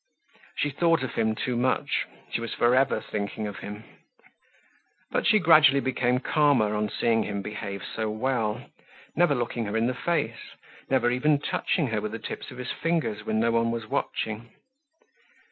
She thought of him too much; she was for ever thinking of him. But she gradually became calmer on seeing him behave so well, never looking her in the face, never even touching her with the tips of his fingers when no one was watching.